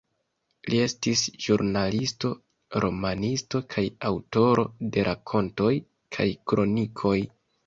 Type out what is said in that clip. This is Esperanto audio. Li estis ĵurnalisto, romanisto kaj aŭtoro de rakontoj kaj kronikoj.